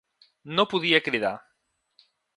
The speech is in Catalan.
No podia cridar.